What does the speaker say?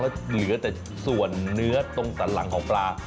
แล้วเหลือแต่ส่วนเนื้อตรงสันหลังของปลา